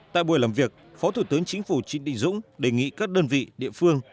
tại buổi làm việc phó thủ tướng chính phủ trịnh đình dũng đề nghị các đơn vị địa phương